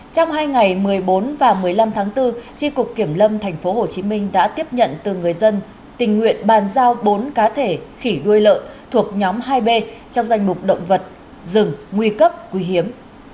trong hai ngày một mươi bốn và một mươi năm tháng bốn tri cục kiểm lâm tp hcm đã tiếp nhận từ người dân tình nguyện bàn giao bốn cá thể khỉ đuôi lợn thuộc nhóm hai b trong danh mục động vật rừng nguy cấp quý hiếm